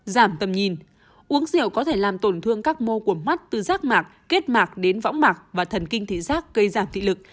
giảm tầm nhìn uống rượu có thể làm tổn thương các mô của mắt từ rác mạc kết mạc đến võng mạc và thần kinh thị giác gây giảm thị lực